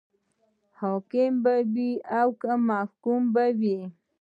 حاکم به وي او که محکوم به وي.